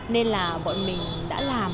nên là bọn mình đã làm